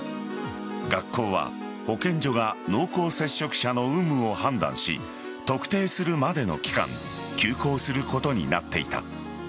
学校は、保健所が濃厚接触者の有無を判断し特定するまでの期間休校することになっていた。